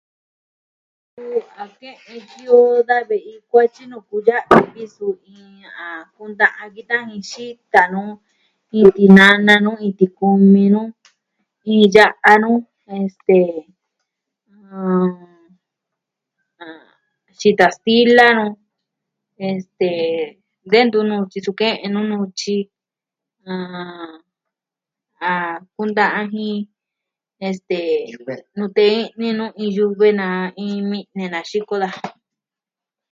Nuu a ke'en yoo da ve'i kuatyi nuu kuya'vi vi suu... iin... a kundaa a kita jin xita nuu, iin tinana nuu, iin tikumi nuu, iin ya'a nuu, este... ɨɨ... xita stila o , este... de ntu nuu tyi suu ke'en nuu kene nuu nutyi, ah... kunda'a jin... este... nute i'ni nuu iin yuve na iin mi'ne na xiko daja.